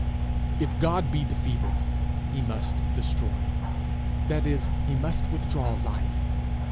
If God be defeated, he must destroy that is, he must withdraw life.